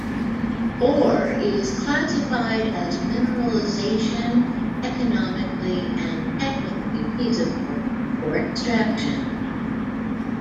Ore is classified as mineralization economically and technically feasible for extraction.